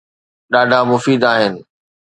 ڏاڍا مفيد آهن